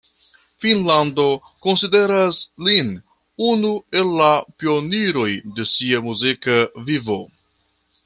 Finnlando konsideras lin unu el la pioniroj de sia muzika vivo.